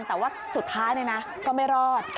แต่ว่าสุดท้ายก็ไม่รอด